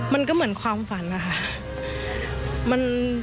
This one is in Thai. มันก็เหมือนความฝันนะคะ